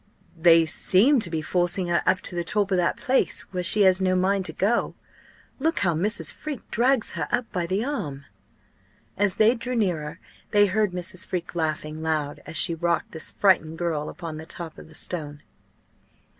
"They seem to be forcing her up to the top of that place, where she has no mind to go. Look how Mrs. Freke drags her up by the arm!" As they drew nearer, they heard Mrs. Freke laughing loud as she rocked this frightened girl upon the top of the stone.